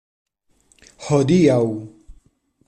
Hodiaŭ!?